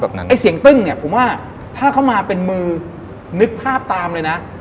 ไอ้เสียงตึ้งเนี่ยผมว่าถ้าเขามาเป็นมือนึกภาพตามเลยนะ